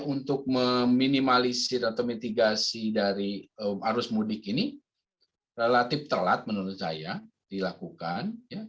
untuk meminimalisir atau mitigasi dari arus mudik ini relatif telat menurut saya dilakukan